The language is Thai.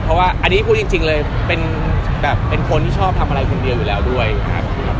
เพราะว่าอันนี้พูดจริงเลยเป็นแบบเป็นคนที่ชอบทำอะไรคนเดียวอยู่แล้วด้วยครับ